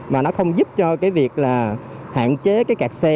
mà nó không giúp cho cái việc là hạn chế cái kẹt xe